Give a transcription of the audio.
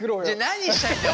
何したいんだよ